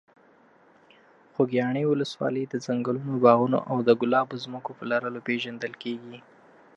خوږیاڼي ولسوالۍ د ځنګلونو، باغونو او د ګلابو ځمکو په لرلو پېژندل کېږي.